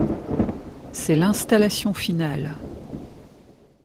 C'est l'installation finale.